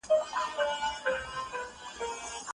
انټرنیټ د نوښتونو د هڅو پراختیا کول دي.